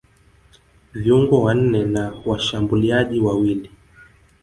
viungo wanne na washambuliaji wawili